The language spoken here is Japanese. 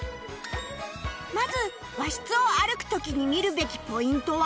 まず和室を歩く時に見るべきポイントは